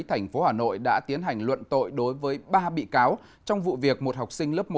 thành phố hà nội đã tiến hành luận tội đối với ba bị cáo trong vụ việc một học sinh lớp một